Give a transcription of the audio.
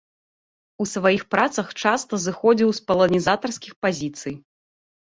У сваіх працах часта зыходзіў з паланізатарскіх пазіцый.